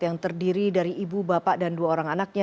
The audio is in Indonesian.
yang terdiri dari ibu bapak dan dua orang anaknya